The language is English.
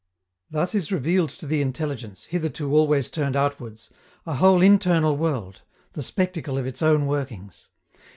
Thus is revealed to the intelligence, hitherto always turned outwards, a whole internal world the spectacle of its own workings.